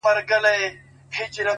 هره ورځ د پرمختګ امکان لري؛